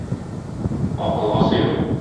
Акылга сыймый.